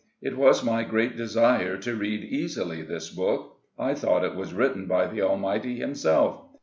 It was my great desire to read easily this book. I thought it was written by the Almighty himself.